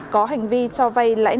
có hành vi cho vay